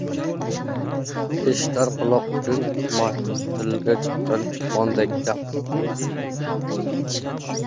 Eshitar quloq uchun tuhmat tilga chiqqan chipqondek gap.